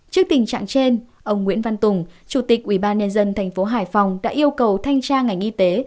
trước tình trạng trên ông nguyễn văn tùng chủ tịch ubnd tp hải phòng đã yêu cầu thanh tra ngành y tế